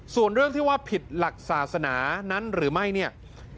ส่วนเรื่องที่ว่าผิดหลักศาสนานั้นหรือไม่เนี่ย